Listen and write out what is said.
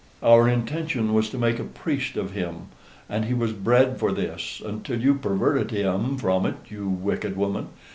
"Our intention was to make a priest of him: and he was bred for this, until you perverted him from it, you wicked woman.